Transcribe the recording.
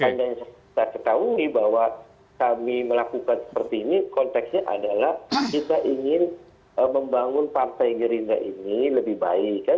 anda yang sudah ketahui bahwa kami melakukan seperti ini konteksnya adalah kita ingin membangun partai gerinda ini lebih baik